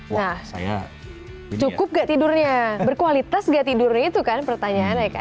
nah cukup gak tidurnya berkualitas gak tidurnya itu kan pertanyaannya kan